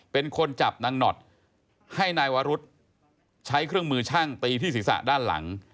เป็นคนจับนางหนอดให้นายวรุษใช้เครื่องมือช่างตีที่ศีรษะด้านหลัง